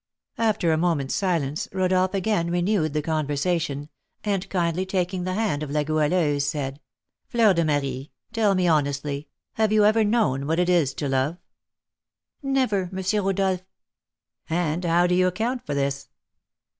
After a moment's silence, Rodolph again renewed the conversation, and, kindly taking the hand of La Goualeuse, said, "Fleur de Marie, tell me honestly, have you ever known what it is to love?" "Never, M. Rodolph." "And how do you account for this?"